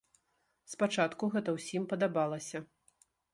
Спачатку гэта ўсім падабалася.